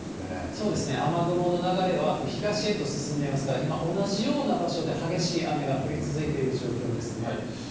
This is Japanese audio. そうですね、雨雲の流れは東へと進んでいますから、今同じような場所で激しい雨が降り続いている状況ですね。